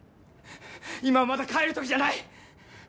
今はまだ帰るときじゃない！